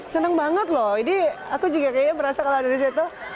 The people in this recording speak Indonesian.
senang banget loh ini aku juga kayaknya merasa kalau ada di situ